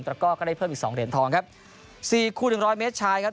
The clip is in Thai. ระก้อก็ได้เพิ่มอีกสองเหรียญทองครับสี่คู่หนึ่งร้อยเมตรชายครับ